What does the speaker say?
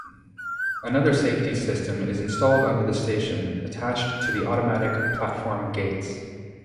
Another safety system is installed under the station, attached to the automatic platform gates.